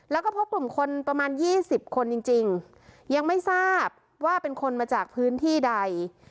แล้วก็พบกลุ่มคนประมาณ๒๐คนจริงยังไม่ทราบว่าเป็นคนมาจากพื้นที่ใด